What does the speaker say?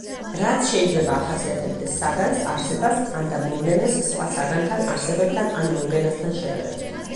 რაც შეიძლება ახასიათებდეს საგანს, არსებას ან და მოვლენას სხვა საგანთან, არსებებთან ან მოვლენასთან შედარებით.